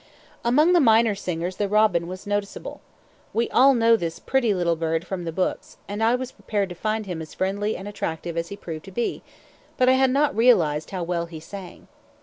Among the minor singers the robin was noticeable. We all know this pretty little bird from the books, and I was prepared to find him as friendly and attractive as he proved to be, but I had not realized how well he sang.